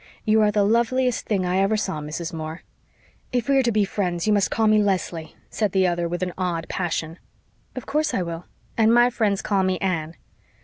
You are the loveliest thing I ever saw, Mrs. Moore." "If we are to be friends you must call me Leslie," said the other with an odd passion. "Of course I will. And MY friends call me Anne."